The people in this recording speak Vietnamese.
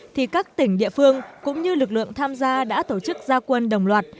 thì các tỉnh địa phương cũng như lực lượng tham gia đã tổ chức gia quân đồng loạt